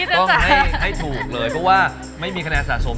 ต้องให้ถูกเลยเพราะว่าไม่มีคะแนนสะสม